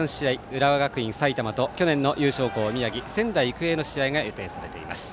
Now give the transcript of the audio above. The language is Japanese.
浦和学院、埼玉去年の優勝校宮城・仙台育英の試合が予定されています。